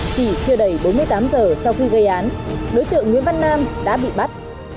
chỉ chưa đầy bốn mươi tám giờ sau khi gây án đối tượng nguyễn văn nam đã bị bắt